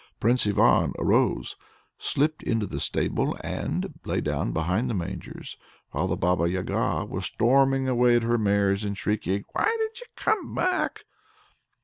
Prince Ivan arose, slipped into the stable, and lay down behind the mangers, while the Baba Yaga was storming away at her mares and shrieking: "Why did ye come back?"